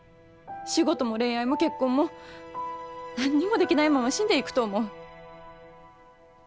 仕事も恋愛も結婚も何にもできないまま死んでいくと思う。